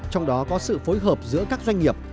trong đó có sự phối hợp giữa các doanh nghiệp